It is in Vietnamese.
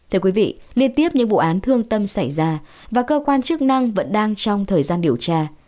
thưa quý vị liên tiếp những vụ án thương tâm xảy ra và cơ quan chức năng vẫn đang trong thời gian điều tra